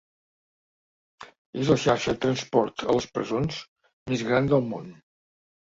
És la xarxa de transport a les presons més gran del món.